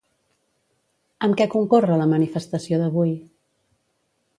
Amb què concorre la manifestació d'avui?